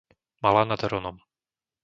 Malá nad Hronom